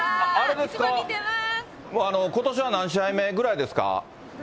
ことしは何試合目ぐらいですか。